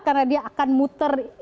karena dia akan muter